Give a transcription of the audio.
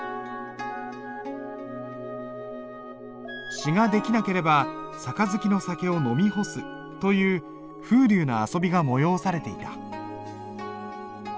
詩が出来なければ杯の酒を飲み干すという風流な遊びが催されていた。